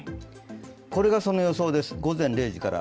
これがその予想です、午前０時から。